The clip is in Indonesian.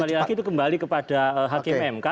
kembali lagi itu kembali kepada hakim mk